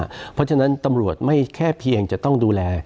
เพราะฉะนั้นตำรวจไม่แค่เพียงจะต้องดูแล